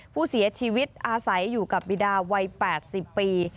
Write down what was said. ผู้เสียชีวิตอาศัยอยู่กับบิดาวัย๘๐ปี